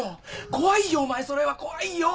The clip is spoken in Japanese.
怖いよお前それは怖いよ。